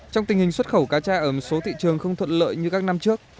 trong tình hình xuất khẩu cá tra ở một số thị trường không thuận lợi như các năm trước